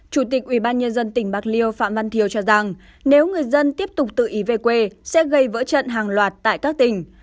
chủ tịch ủy ban nhân dân tỉnh bạc liêu phạm văn thiều cho rằng nếu người dân tiếp tục tự ý về quê sẽ gây vỡ trận hàng loạt tại các tỉnh